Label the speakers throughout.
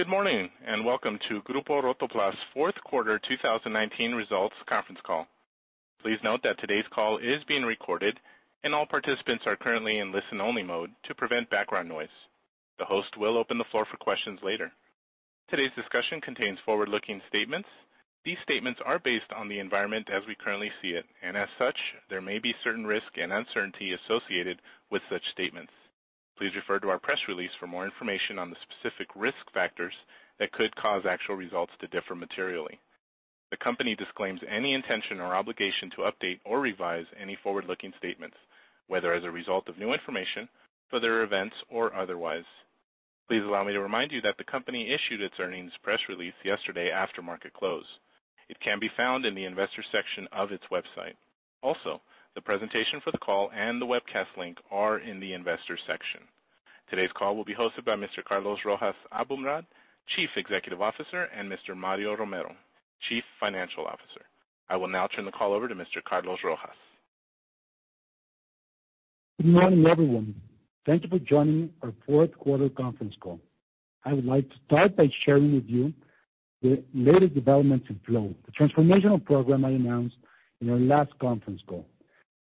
Speaker 1: Good morning, and welcome to Grupo Rotoplas' fourth quarter 2019 results conference call. Please note that today's call is being recorded, and all participants are currently in listen-only mode to prevent background noise. The host will open the floor for questions later. Today's discussion contains forward-looking statements. These statements are based on the environment as we currently see it, and as such, there may be certain risk and uncertainty associated with such statements. Please refer to our press release for more information on the specific risk factors that could cause actual results to differ materially. The company disclaims any intention or obligation to update or revise any forward-looking statements, whether as a result of new information, further events, or otherwise. Please allow me to remind you that the company issued its earnings press release yesterday after market close. It can be found in the investor section of its website. Also, the presentation for the call and the webcast link are in the investor section. Today's call will be hosted by Mr. Carlos Rojas Aboumrad, Chief Executive Officer, and Mr. Mario Romero, Chief Financial Officer. I will now turn the call over to Mr. Carlos Rojas.
Speaker 2: Good morning, everyone. Thank you for joining our fourth quarter conference call. I would like to start by sharing with you the latest developments in Flow, the transformational program I announced in our last conference call.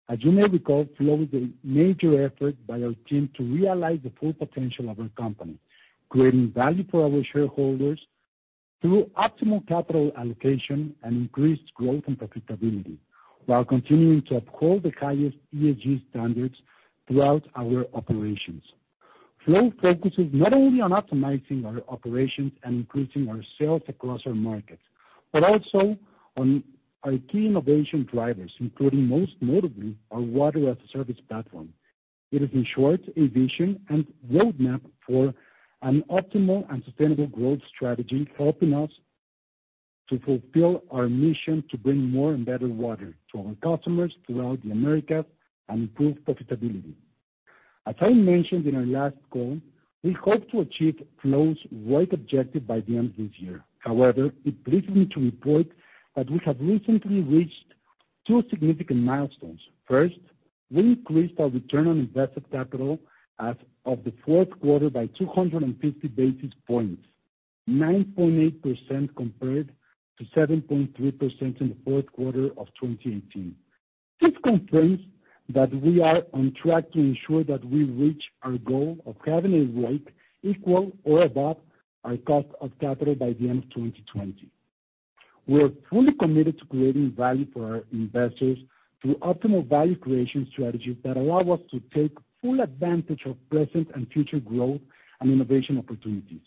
Speaker 2: As you may recall, Flow is a major effort by our team to realize the full potential of our company, creating value for our shareholders through optimal capital allocation and increased growth and profitability while continuing to uphold the highest ESG standards throughout our operations. Flow focuses not only on optimizing our operations and increasing our sales across our markets, but also on our key innovation drivers, including, most notably, our Water as a Service platform. It is, in short, a vision and roadmap for an optimal and sustainable growth strategy, helping us to fulfill our mission to bring more and better water to our customers throughout the Americas and improve profitability. As I mentioned in our last call, we hope to achieve Flow's ROIC objective by the end of this year. However, it pleases me to report that we have recently reached two significant milestones. First, we increased our return on invested capital as of the fourth quarter by 250 basis points, 9.8% compared to 7.3% in the fourth quarter of 2018. This confirms that we are on track to ensure that we reach our goal of having a ROIC equal or above our cost of capital by the end of 2020. We are fully committed to creating value for our investors through optimal value creation strategies that allow us to take full advantage of present and future growth and innovation opportunities.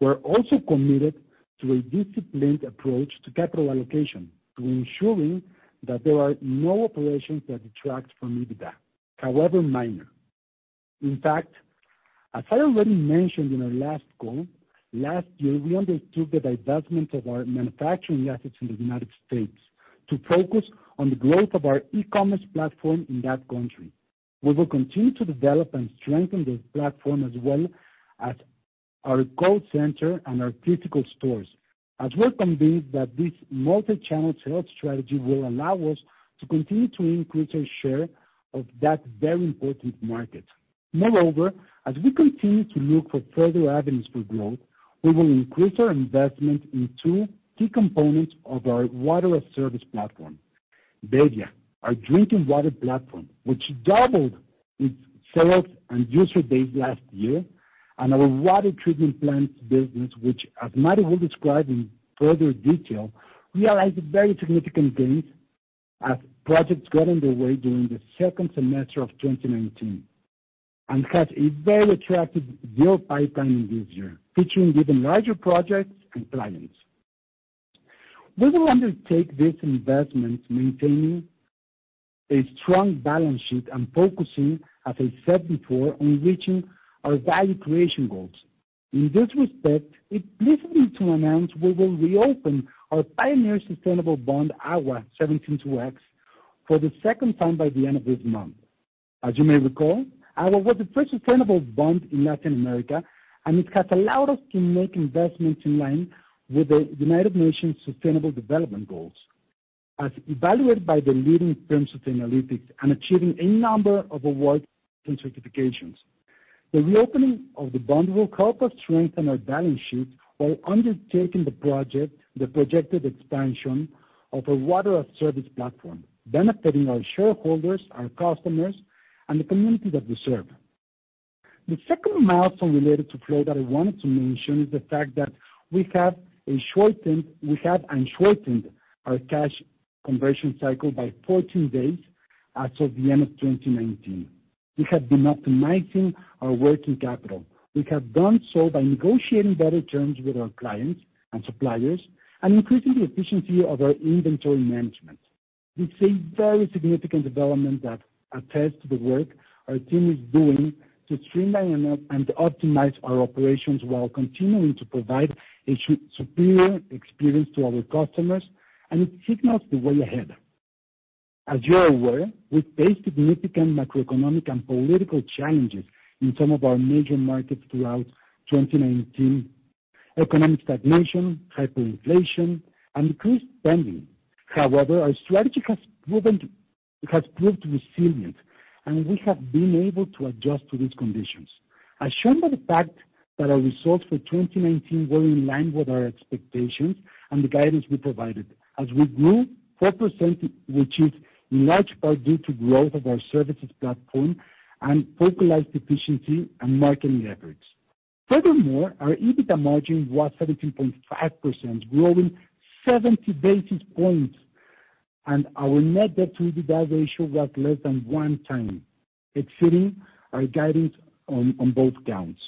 Speaker 2: We are also committed to a disciplined approach to capital allocation, to ensuring that there are no operations that detract from EBITDA, however minor. In fact, as I already mentioned in our last call, last year, we undertook the divestment of our manufacturing assets in the U.S. to focus on the growth of our e-commerce platform in that country. We will continue to develop and strengthen this platform as well as our call center and our critical stores, as we're convinced that this multi-channel sales strategy will allow us to continue to increase our share of that very important market. Moreover, as we continue to look for further avenues for growth, we will increase our investment in two key components of our Water as a Service platform. Bebbia, our drinking water platform, which doubled its sales and user base last year, and our water treatment plants business, which as Mario will describe in further detail, realized very significant gains as projects got underway during the second semester of 2019, and has a very attractive deal pipeline this year, featuring even larger projects and clients. We will undertake these investments maintaining a strong balance sheet and focusing, as I said before, on reaching our value creation goals. In this respect, it pleases me to announce we will reopen our pioneer sustainable bond, AGUA 17-2X, for the second time by the end of this month. As you may recall, AGUA was the first sustainable bond in Latin America, and it has allowed us to make investments in line with the United Nations Sustainable Development Goals, as evaluated by the leading firms of analytics and achieving a number of awards and certifications. The reopening of the bond will help us strengthen our balance sheet while undertaking the projected expansion of our Water as a Service platform, benefiting our shareholders, our customers, and the communities that we serve. The second milestone related to Flow that I wanted to mention is the fact that we have shortened our cash conversion cycle by 14 days as of the end of 2019. We have been optimizing our working capital. We have done so by negotiating better terms with our clients and suppliers and increasing the efficiency of our inventory management. This is a very significant development that attests to the work our team is doing to streamline and optimize our operations while continuing to provide a superior experience to our customers, and it signals the way ahead. As you are aware, we faced significant macroeconomic and political challenges in some of our major markets throughout 2019. Economic stagnation, hyperinflation, and decreased spending. However, our strategy has proved resilient, and we have been able to adjust to these conditions, as shown by the fact that our results for 2019 were in line with our expectations and the guidance we provided as we grew 4%, which is in large part due to growth of our services platform and localized efficiency and marketing efforts. Furthermore, our EBITDA margin was 17.5%, growing 70 basis points, and our net debt-to-EBITDA ratio was less than one time, exceeding our guidance on both counts.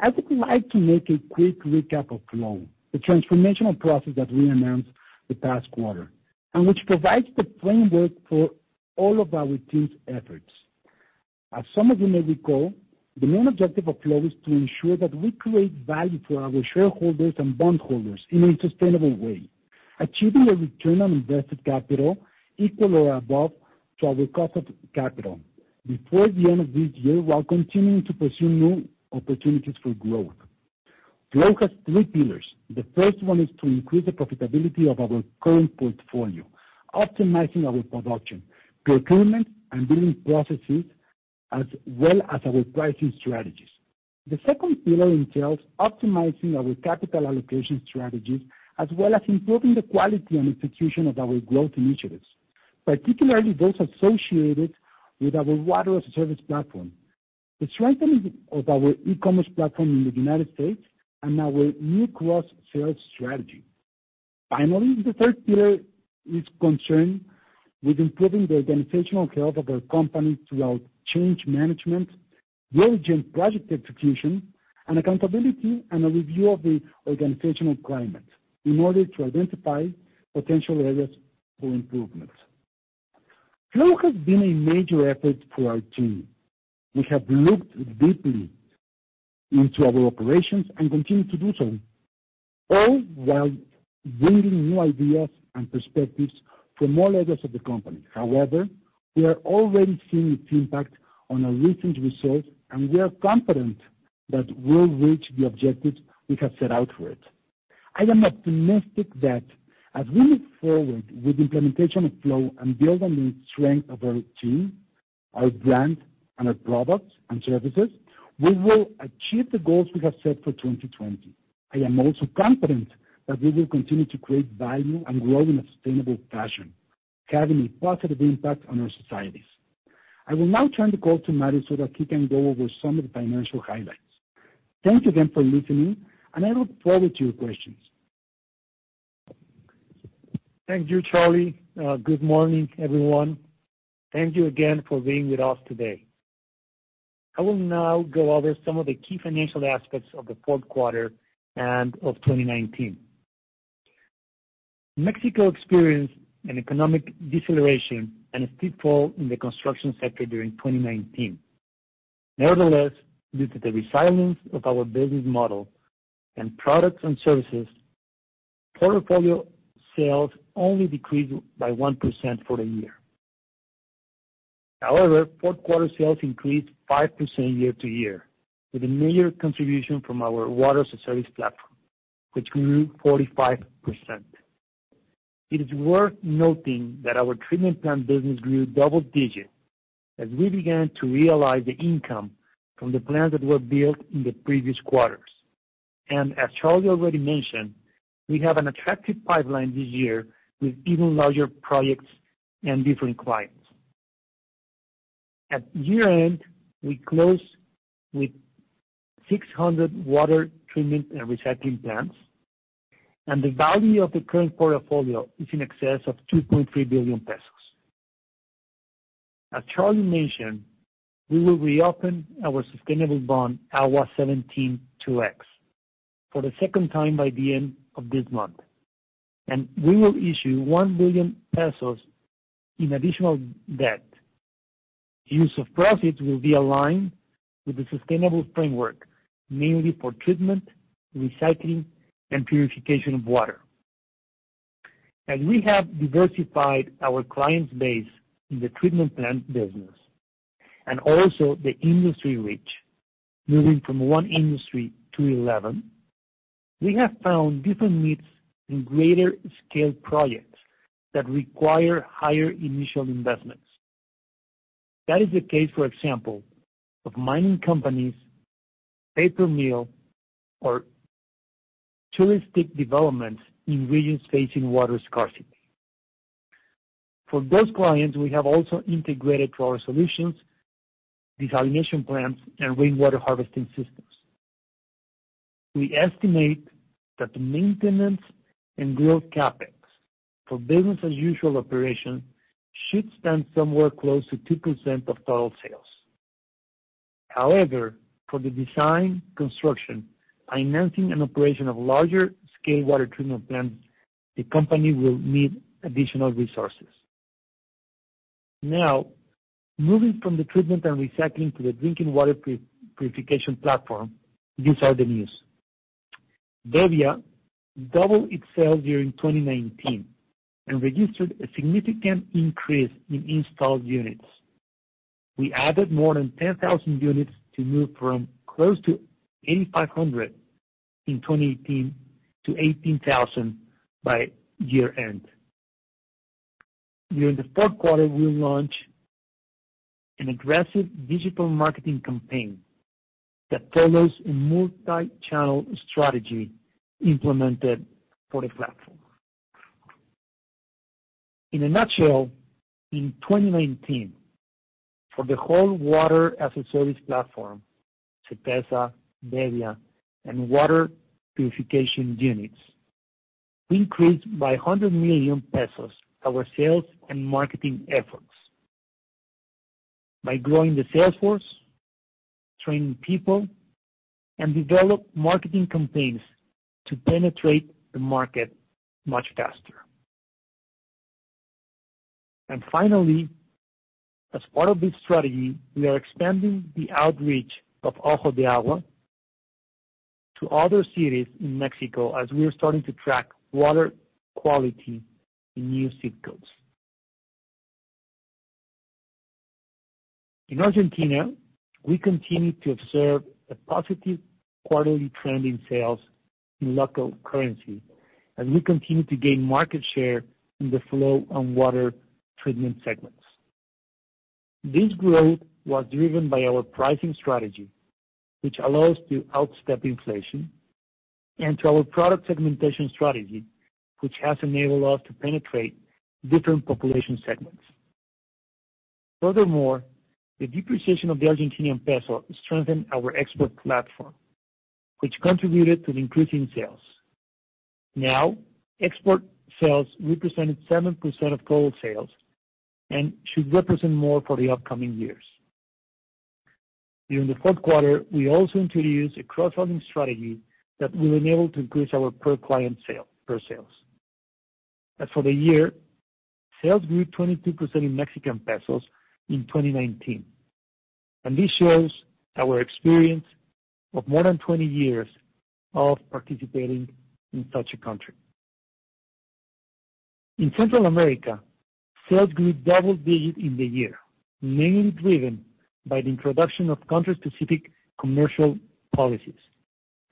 Speaker 2: I would like to make a quick recap of Flow, the transformational process that we announced the past quarter, which provides the framework for all of our team's efforts. As some of you may recall, the main objective of Flow is to ensure that we create value for our shareholders and bondholders in a sustainable way. Achieving a return on invested capital equal to or above our cost of capital before the end of this year, while continuing to pursue new opportunities for growth. Flow has three pillars. The first one is to increase the profitability of our current portfolio, optimizing our production, procurement, and billing processes, as well as our pricing strategies. The second pillar entails optimizing our capital allocation strategies, as well as improving the quality and execution of our growth initiatives, particularly those associated with our Water as a Service platform. The strengthening of our e-commerce platform in the U.S., and our new cross-sale strategy. Finally, the third pillar is concerned with improving the organizational health of our company throughout change management, urgent project execution, and accountability, and a review of the organizational climate in order to identify potential areas for improvement. Flow has been a major effort for our team. We have looked deeply into our operations and continue to do so, all while bringing new ideas and perspectives from all levels of the company. However, we are already seeing its impact on our recent results, and we'll are confident that we'll reach the objectives we have set out for it. I am optimistic that as we look forward with the implementation of Flow and build on the strength of our team, our brand, and our products and services, we will achieve the goals we have set for 2020. I am also confident that we will continue to create value and grow in a sustainable fashion, having a positive impact on our societies. I will now turn the call to Mario so that he can go over some of the financial highlights. Thank you again for listening, and I look forward to your questions.
Speaker 3: Thank you, Charlie. Good morning, everyone. Thank you again for being with us today. I will now go over some of the key financial aspects of the fourth quarter and of 2019. Mexico experienced an economic deceleration and a steep fall in the construction sector during 2019. Nevertheless, due to the resilience of our business model and products and services, portfolio sales only decreased by 1% for the year. However, fourth quarter sales increased 5% year-to-year, with a major contribution from our Water as a Service platform, which grew 45%. It is worth noting that our treatment plant business grew double digits as we began to realize the income from the plants that were built in the previous quarters. As Charlie already mentioned, we have an attractive pipeline this year with even larger projects and different clients. At year-end, we closed with 600 water treatment and recycling plants, and the value of the current portfolio is in excess of 2.3 billion pesos. As Charlie mentioned, we will reopen our sustainable bond, AGUA 17-2X, for the second time by the end of this month. We will issue 1 billion pesos in additional debt. Use of profits will be aligned with the sustainable framework, mainly for treatment, recycling, and purification of water. As we have diversified our clients base in the treatment plant business and also the industry reach, moving from one industry to 11, we have found different needs in greater scale projects that require higher initial investments. That is the case, for example, of mining companies, paper mill, or touristic developments in regions facing water scarcity. For those clients, we have also integrated water solutions, desalination plants, and rainwater harvesting systems. We estimate that the maintenance and growth CapEx for business as usual operation should stand somewhere close to 2% of total sales. However, for the design, construction, financing, and operation of larger scale water treatment plants, the company will need additional resources. Now, moving from the treatment and recycling to the drinking water purification platform, these are the news. bebbia doubled its sales during 2019 and registered a significant increase in installed units. We added more than 10,000 units to move from close to 8,500 in 2018 to 18,000 by year-end. During the fourth quarter, we'll launch an aggressive digital marketing campaign that follows a multi-channel strategy implemented for the platform. In a nutshell, in 2019, for the whole Water as a Service platform, Sytesa, bebbia, and water purification units, we increased by 100 million pesos our sales and marketing efforts by growing the sales force, training people, and develop marketing campaigns to penetrate the market much faster. Finally, as part of this strategy, we are expanding the outreach of Ojo de Agua to other cities in Mexico as we are starting to track water quality in new zip codes. In Argentina, we continue to observe a positive quarterly trend in sales in local currency as we continue to gain market share in the Flow and Water Treatment Segments. This growth was driven by our pricing strategy, which allows to outstep inflation, and to our product segmentation strategy, which has enabled us to penetrate different population segments. Furthermore, the depreciation of the Argentinian peso strengthened our export platform, which contributed to the increase in sales. Now, export sales represented 7% of total sales and should represent more for the upcoming years. During the fourth quarter, we also introduced a cross-selling strategy that will enable to increase our per-client sales. As for the year, sales grew 22% in Mexican pesos in 2019. This shows our experience of more than 20 years of participating in such a country. In Central America, sales grew double digits in the year, mainly driven by the introduction of country-specific commercial policies,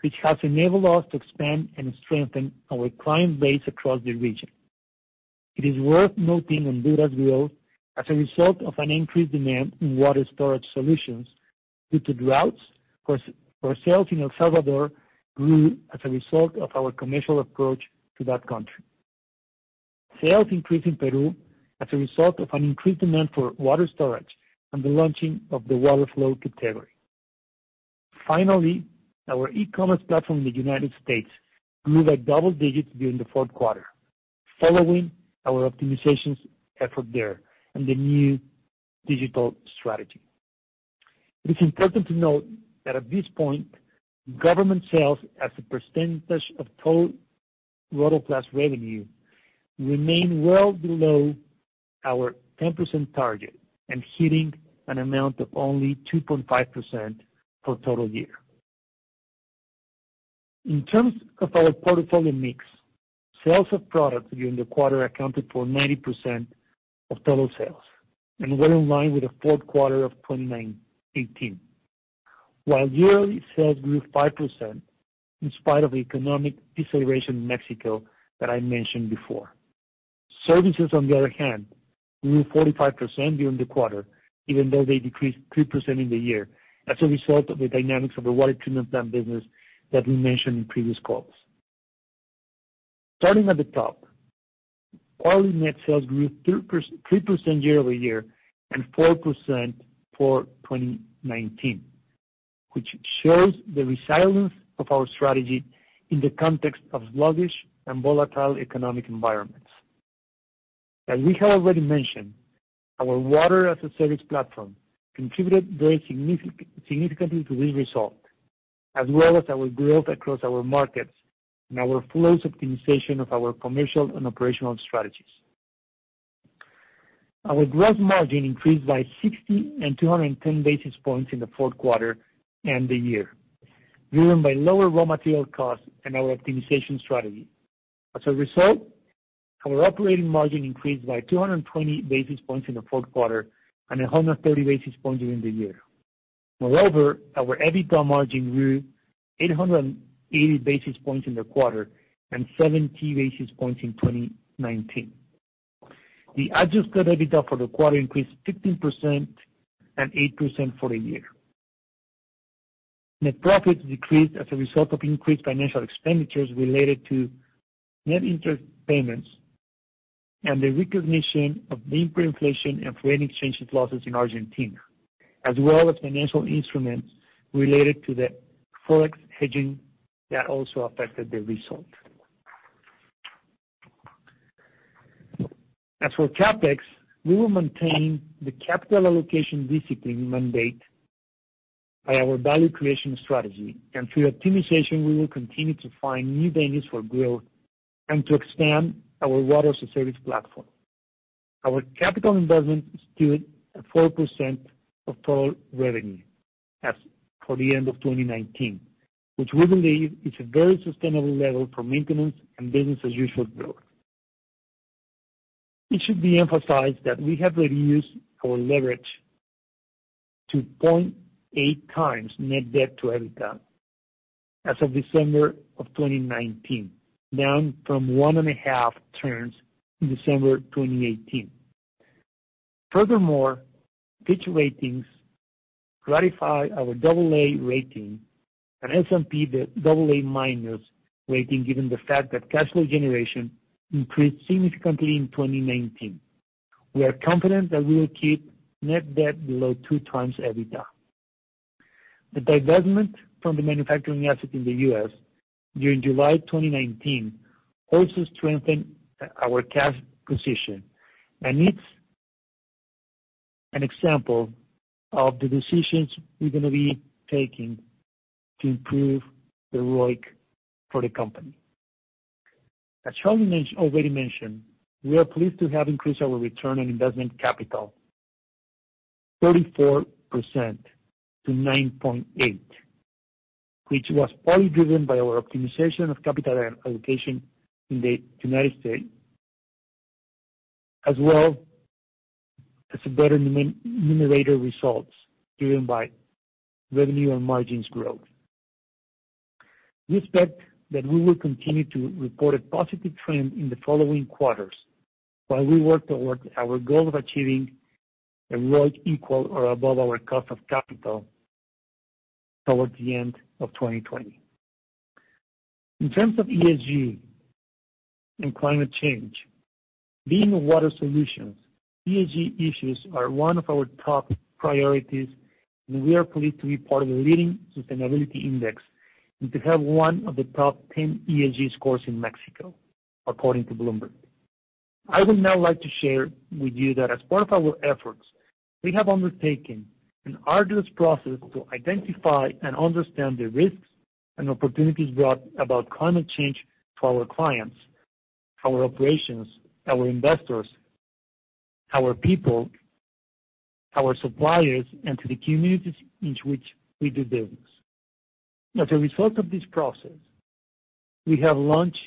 Speaker 3: which has enabled us to expand and strengthen our client base across the region. It is worth noting Honduras' growth as a result of an increased demand in water storage solutions due to droughts. While sales in El Salvador grew as a result of our commercial approach to that country. Sales increased in Peru as a result of an increased demand for water storage and the launching of the water flow category. Finally, our e-commerce platform in the United States grew by double digits during the fourth quarter, following our optimization effort there and the new digital strategy. It is important to note that at this point, government sales as a percentage of total Rotoplas revenue remain well below our 10% target and hitting an amount of only 2.5% for total year. In terms of our portfolio mix, sales of products during the quarter accounted for 90% of total sales and were in line with the fourth quarter of 2018. While yearly sales grew 5% in spite of the economic deceleration in Mexico that I mentioned before. Services, on the other hand, grew 45% during the quarter, even though they decreased 3% in the year as a result of the dynamics of the water treatment plant business that we mentioned in previous calls. Starting at the top, all net sales grew 3% year-over-year and 4% for 2019, which shows the resilience of our strategy in the context of sluggish and volatile economic environments. As we have already mentioned, our Water as a Service platform contributed very significantly to this result, as well as our growth across our markets and our close optimization of our commercial and operational strategies. Our gross margin increased by 60 and 210 basis points in the fourth quarter and the year, driven by lower raw material costs and our optimization strategy. As a result, our operating margin increased by 220 basis points in the fourth quarter and 130 basis points during the year. Moreover, our EBITDA margin grew 880 basis points in the quarter and 70 basis points in 2019. The adjusted EBITDA for the quarter increased 15% and 8% for the year. Net profits decreased as a result of increased financial expenditures related to net interest payments and the recognition of the hyperinflation and foreign exchanges losses in Argentina, as well as financial instruments related to the forex hedging that also affected the result. As for CapEx, we will maintain the capital allocation discipline mandate by our value creation strategy. Through optimization, we will continue to find new avenues for growth and to expand our Water as a Service platform. Our capital investment stood at 4% of total revenue as for the end of 2019, which we believe is a very sustainable level for maintenance and business as usual growth. It should be emphasized that we have reduced our leverage to 0.8 times net debt-to-EBITDA as of December of 2019, down from one and half turns in December 2018. Furthermore, Fitch Ratings ratified our AA rating and S&P double A minus rating, given the fact that cash flow generation increased significantly in 2019. We are confident that we will keep net debt below two times EBITDA. The divestment from the manufacturing asset in the U.S. during July 2019 also strengthened our cash position and it's an example of the decisions we're going to be taking to improve the ROIC for the company. As Charlie already mentioned, we are pleased to have increased our return on investment capital 34% to 9.8%, which was partly driven by our optimization of capital allocation in the United States, as well as better numerator results driven by revenue and margins growth. We expect that we will continue to report a positive trend in the following quarters while we work towards our goal of achieving a ROIC equal or above our cost of capital towards the end of 2020. In terms of ESG and climate change, being water solutions, ESG issues are one of our top priorities, and we are pleased to be part of the leading sustainability index and to have one of the top 10 ESG scores in Mexico, according to Bloomberg. I would now like to share with you that as part of our efforts, we have undertaken an arduous process to identify and understand the risks and opportunities brought about climate change to our clients, our operations, our investors, our people, our suppliers, and to the communities in which we do business. As a result of this process, we have launched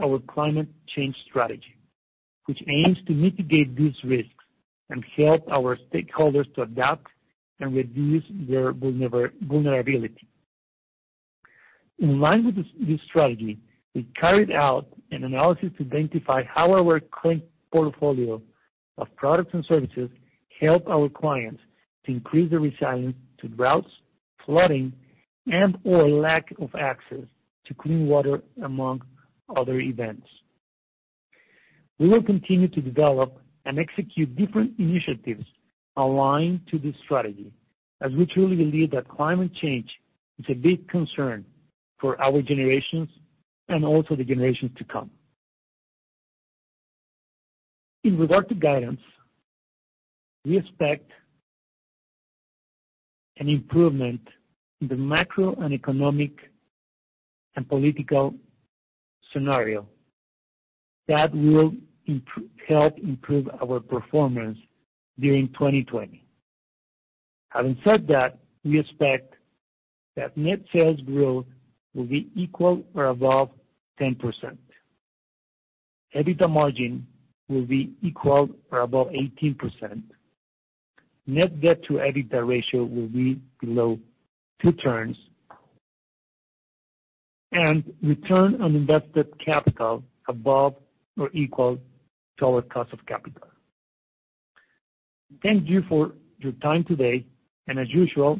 Speaker 3: our climate change strategy, which aims to mitigate these risks and help our stakeholders to adapt and reduce their vulnerability. In line with this strategy, we carried out an analysis to identify how our current portfolio of products and services help our clients to increase their resilience to droughts, flooding, and/or lack of access to clean water, among other events. We will continue to develop and execute different initiatives aligned to this strategy, as we truly believe that climate change is a big concern for our generations and also the generations to come. In regard to guidance, we expect an improvement in the macro and economic and political scenario that will help improve our performance during 2020. Having said that, we expect that net sales growth will be equal or above 10%. EBITDA margin will be equal or above 18%. Net debt-to-EBITDA ratio will be below two turns. Return on invested capital above or equal to our cost of capital. Thank you for your time today, and as usual,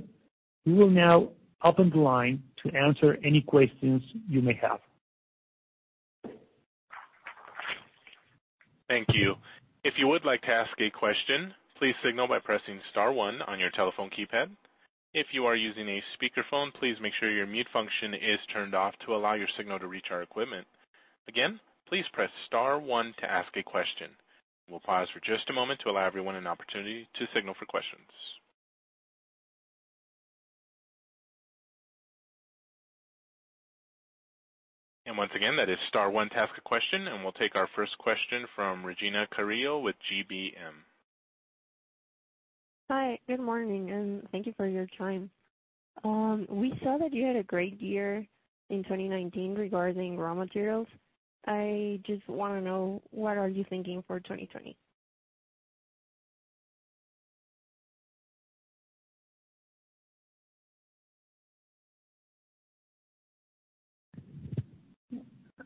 Speaker 3: we will now open the line to answer any questions you may have.
Speaker 1: Thank you. If you would like to ask a question, please signal by pressing star one on your telephone keypad. If you are using a speakerphone, please make sure your mute function is turned off to allow your signal to reach our equipment. Again, please press star one to ask a question. We'll pause for just a moment to allow everyone an opportunity to signal for questions. Once again, that is star one to ask a question. We'll take our first question from Regina Carrillo with GBM.
Speaker 4: Hi, good morning. Thank you for your time. We saw that you had a great year in 2019 regarding raw materials. I just want to know, what are you thinking for 2020?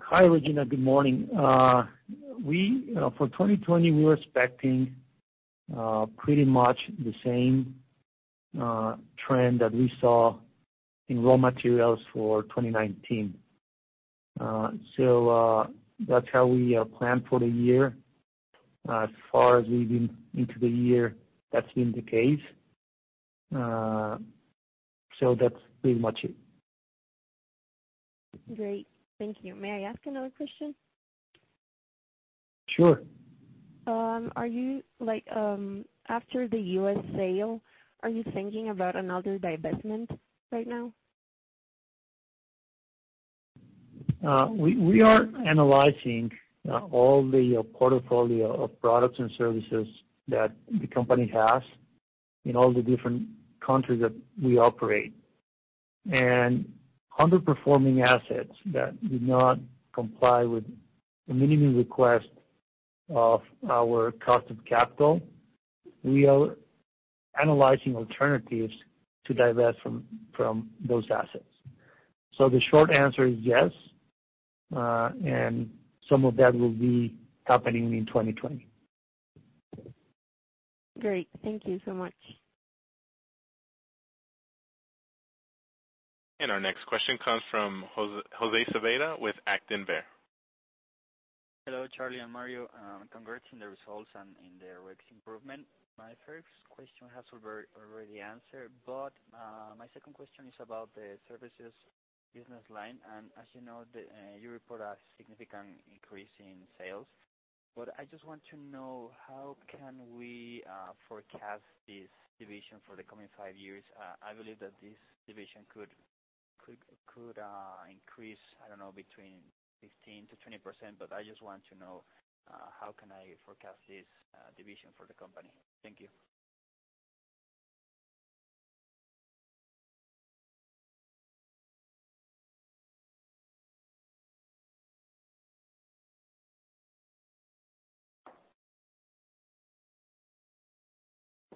Speaker 3: Hi, Regina. Good morning. For 2020, we were expecting pretty much the same trend that we saw in raw materials for 2019. That's how we planned for the year. As far as we've been into the year, that's been the case. That's pretty much it.
Speaker 4: Great, thank you. May I ask another question?
Speaker 3: Sure.
Speaker 4: After the U.S. sale, are you thinking about another divestment right now?
Speaker 3: We are analyzing all the portfolio of products and services that the company has in all the different countries that we operate. Underperforming assets that do not comply with the minimum request of our cost of capital, we are analyzing alternatives to divest from those assets. The short answer is yes, and some of that will be happening in 2020.
Speaker 4: Great. Thank you so much.
Speaker 1: Our next question comes from José [Cepeda] with Actinver.
Speaker 5: Hello, Charlie and Mario. Congrats on the results and on the rates improvement. My first question has already answered, but my second question is about the services business line. As you know, you report a significant increase in sales, but I just want to know how can we forecast this division for the coming five years? I believe that this division could increase, I don't know, between 15%-20%, but I just want to know how can I forecast this division for the company. Thank you.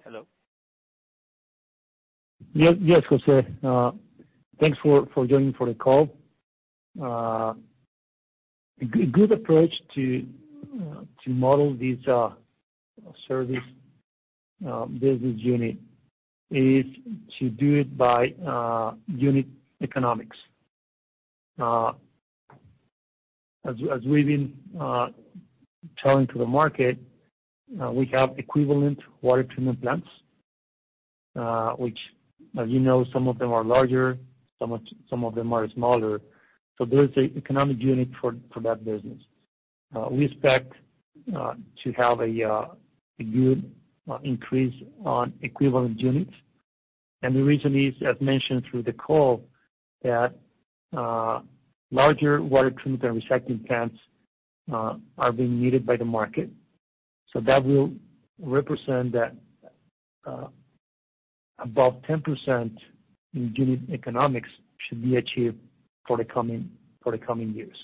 Speaker 5: Hello?
Speaker 3: Yes, José. Thanks for joining for the call. A good approach to model this service business unit is to do it by unit economics. As we've been telling to the market, we have equivalent water treatment plants, which, as you know, some of them are larger, some of them are smaller. There's an economic unit for that business. We expect to have a good increase on equivalent units. The reason is, as mentioned through the call, that larger water treatment and recycling plants are being needed by the market. That will represent that above 10% in unit economics should be achieved for the coming years.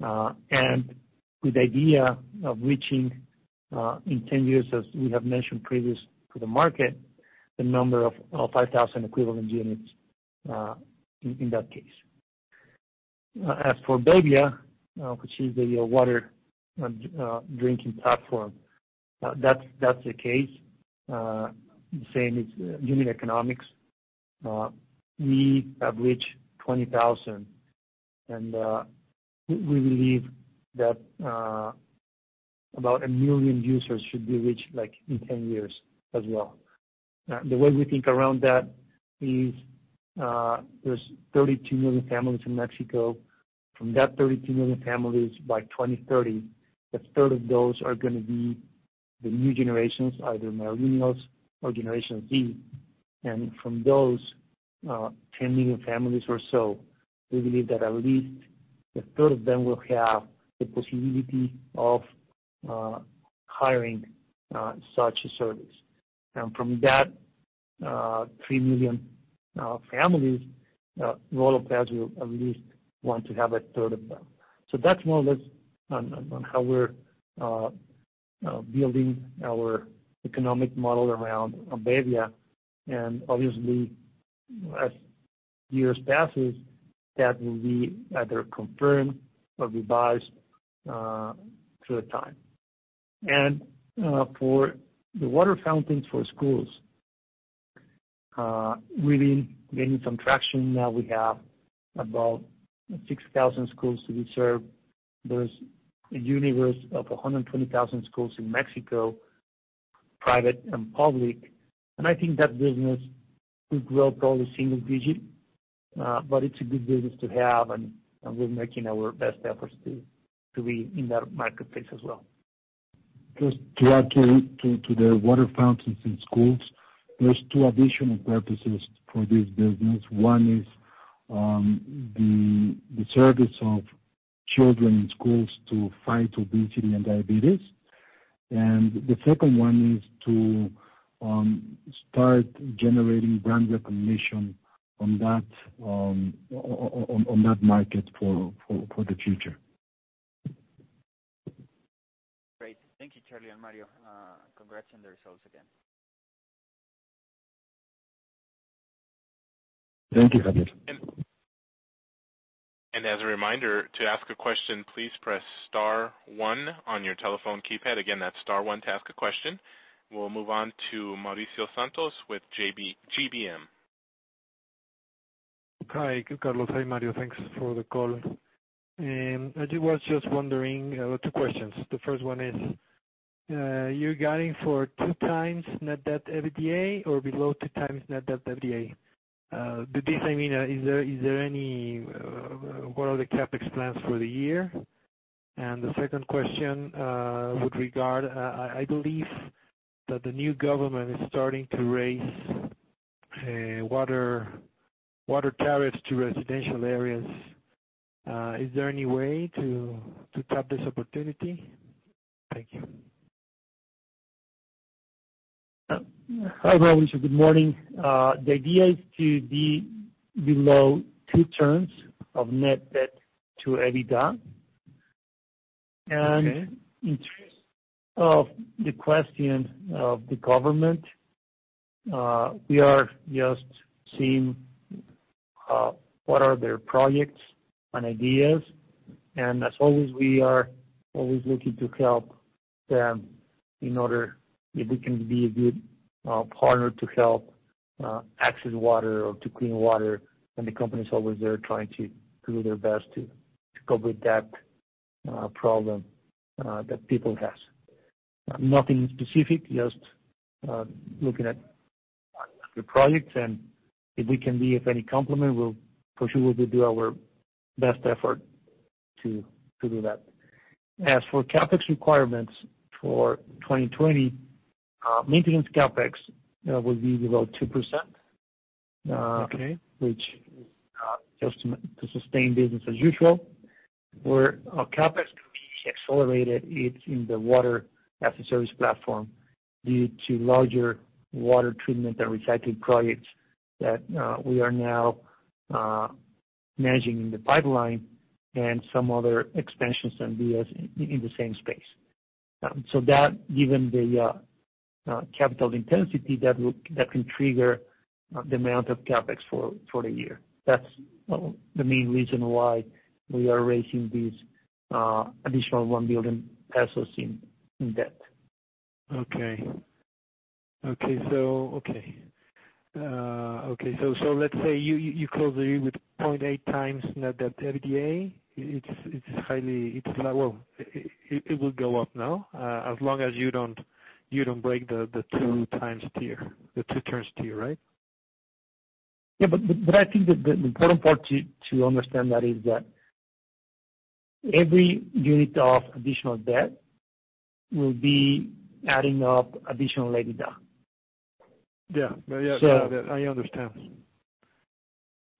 Speaker 3: With the idea of reaching, in 10 years, as we have mentioned previous to the market, the number of 5,000 equivalent units, in that case. As for bebbia, which is the water drinking platform, that's the case. Same as unit economics. We have reached 20,000. We believe that about a million users should be reached in 10 years as well. The way we think around that is, there's 32 million families in Mexico. From that 32 million families, by 2030, 1/3 of those are going to be the new generations, either millennials or Generation Z. From those, 10 million families or so, we believe that at least 1/3 of them will have the possibility of hiring such a service. From that, three million families, Rotoplas will at least want to have a third of them. That's more or less on how we're building our economic model around bebbia. Obviously, as years passes, that will be either confirmed or revised through time. For the water fountains for schools, really gaining some traction now. We have about 6,000 schools to be served. There's a universe of 120,000 schools in Mexico, private and public. I think that business will grow probably single digit, but it's a good business to have, and we're making our best efforts to be in that marketplace as well.
Speaker 2: Just to add to the water fountains in schools, there's two additional purposes for this business. One is the service of children in schools to fight obesity and diabetes. The second one is to start generating brand recognition on that market for the future.
Speaker 5: Great. Thank you, Charlie and Mario. Congrats on the results again.
Speaker 3: Thank you, José.
Speaker 1: As a reminder, to ask a question, please press star one on your telephone keypad. Again, that's star one to ask a question. We'll move on to Mauricio Santos with GBM.
Speaker 6: Hi, Carlos. Hi, Mario. Thanks for the call. I was just wondering, two questions. The first one is, you're guiding for two times net debt-to-EBITDA or below two times net debt-to-EBITDA. By this I mean, what are the CapEx plans for the year? The second question would regard, I believe that the new government is starting to raise water tariffs to residential areas. Is there any way to tap this opportunity? Thank you.
Speaker 3: Hi, Mauricio. Good morning. The idea is to be below two turns of net debt-to-EBITDA.
Speaker 6: Okay.
Speaker 3: In terms of the question of the government, we are just seeing what are their projects and ideas. As always, we are always looking to help them in order if we can be a good partner to help access water or to clean water. The company's always there trying to do their best to cover that problem that people have. Nothing specific, just looking at the projects, and if we can be of any complement, we'll for sure will do our best effort to do that. As for CapEx requirements for 2020, maintenance CapEx will be below 2%.
Speaker 6: Okay.
Speaker 3: Which is just to sustain business as usual. Where our CapEx could be accelerated, it's in the Water as a Service platform due to larger water treatment and recycling projects that we are now managing in the pipeline and some other expansions and deals in the same space. That given the capital intensity, that can trigger the amount of CapEx for the year. That's the main reason why we are raising these additional 1 billion pesos in debt.
Speaker 6: Okay. let's say you close the year with 0.8 times net debt-to-EBITDA. It will go up now, as long as you don't break the two turns tier, right?
Speaker 3: Yeah, I think the important part to understand that is that every unit of additional debt will be adding up additional EBITDA.
Speaker 6: Yeah. I understand.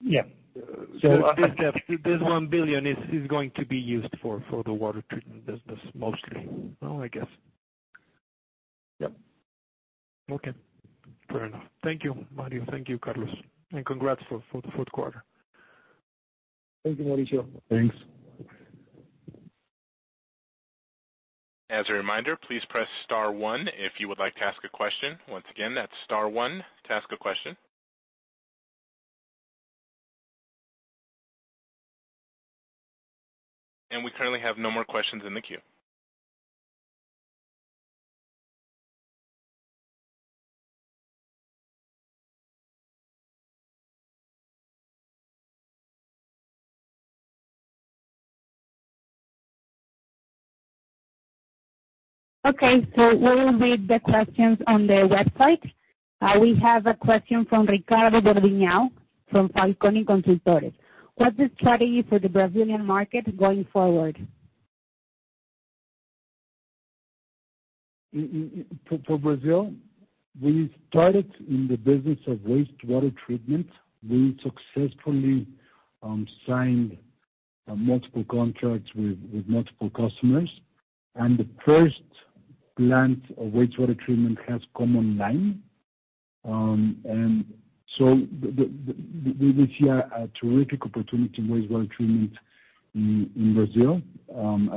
Speaker 3: Yeah.
Speaker 6: This 1 billion is going to be used for the water treatment business mostly. Well, I guess.
Speaker 3: Yep.
Speaker 6: Okay. Fair enough. Thank you, Mario. Thank you, Carlos. Congrats for the fourth quarter.
Speaker 3: Thank you, Mauricio.
Speaker 2: Thanks.
Speaker 1: As a reminder, please press star one if you would like to ask a question. Once again, that's star one to ask a question. We currently have no more questions in the queue.
Speaker 7: Okay. We will read the questions on the website. We have a question from Ricardo [Gordillo] from Falconi Consultoria. What's the strategy for the Brazilian market going forward?
Speaker 2: For Brazil, we started in the business of wastewater treatment. We successfully signed multiple contracts with multiple customers. The first plant of wastewater treatment has come online. We see a terrific opportunity in wastewater treatment in Brazil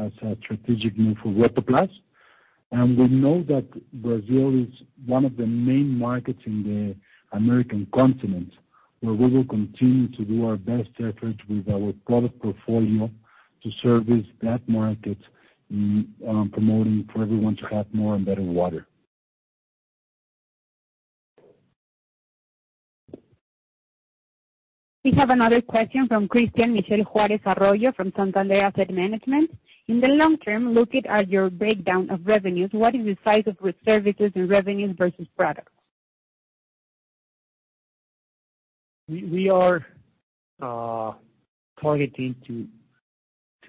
Speaker 2: as a strategic move for Rotoplas. We know that Brazil is one of the main markets in the American continent, where we will continue to do our best efforts with our product portfolio to service that market, promoting for everyone to have more and better water.
Speaker 7: We have another question from Cristian Michel Juarez Arroyo from Santander Asset Management. In the long term, looking at your breakdown of revenues, what is the size of services and revenues versus products?
Speaker 3: We are targeting to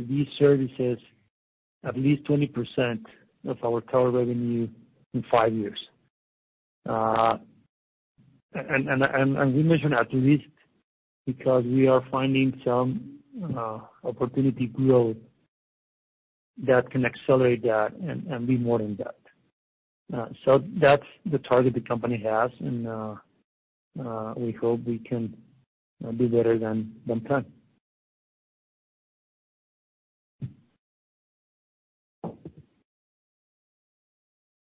Speaker 3: these services at least 20% of our total revenue in five years. We mention at least because we are finding some opportunity growth that can accelerate that and be more than that. That's the target the company has, and we hope we can do better than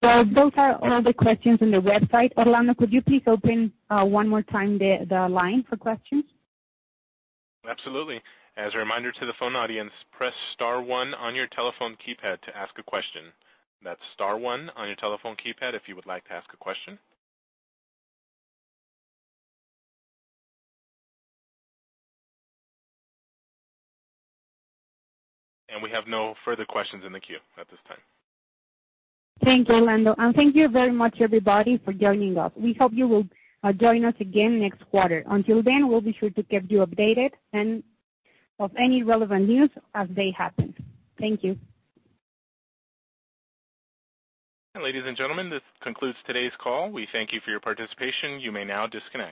Speaker 3: planned.
Speaker 7: Those are all the questions in the website. Orlando, could you please open one more time the line for questions?
Speaker 1: Absolutely. As a reminder to the phone audience, press star one on your telephone keypad to ask a question. That's star one on your telephone keypad if you would like to ask a question. We have no further questions in the queue at this time.
Speaker 7: Thank you, Orlando. Thank you very much, everybody, for joining us. We hope you will join us again next quarter. Until then, we'll be sure to keep you updated, and of any relevant news as they happen. Thank you.
Speaker 1: Ladies and gentlemen, this concludes today's call. We thank you for your participation. You may now disconnect.